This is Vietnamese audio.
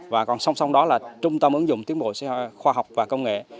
và còn song song đó là trung tâm ứng dụng tiến bộ khoa học và công nghệ